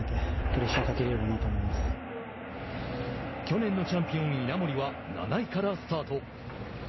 去年のチャンピオン稲森は７位からスタート。